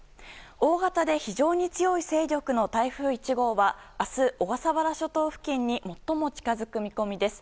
大型で非常に強い勢力の台風１号は明日、小笠原諸島付近に最も近づく見込みです。